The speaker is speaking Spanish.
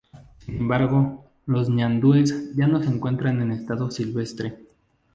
Sin embargo los ñandúes ya no se encuentran en estado silvestre.